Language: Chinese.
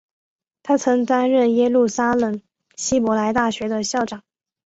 他曾担任耶路撒冷希伯来大学的校长。